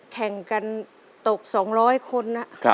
แข่งกันตก๒๐๐คน